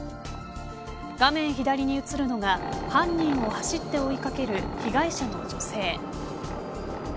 画面左に映るのが犯人を走って追いかける被害者の女性。